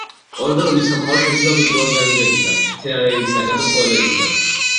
ორგანული სამყარო შედგება მიკროორგანიზმებისაგან, მცენარეებისაგან და ცხოველებისაგან.